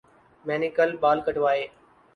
میں نے کل بال کٹوائے